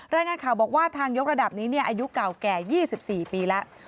รายงานข่าวบอกว่าทางยกระดับนี้อายุเก่าแก่๒๔ปีแล้ว